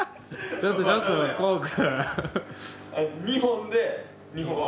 ちょっとちょっと滉君。